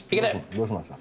どうしました？